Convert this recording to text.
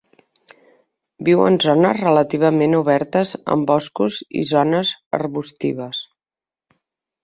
Viu en zones relativament obertes amb boscos i zones arbustives.